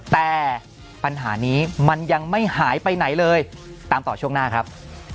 แต่ปัญหานี้มันยังไม่หายไปไหนเลยตามต่อช่วงหน้าครับ